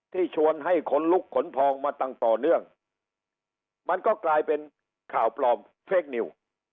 ชวนให้ขนลุกขนพองมาตั้งต่อเนื่องมันก็กลายเป็นข่าวปลอมเฟคนิว